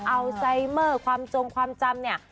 อัลไซเมอร์ความโจมค์ความจำ